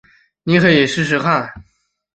妳可以去试试看